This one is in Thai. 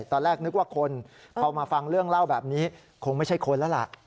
ตอนแรกนึกว่าคนพอมาฟังเรื่องเล่าแบบนี้คงไม่ใช่คนแล้วล่ะ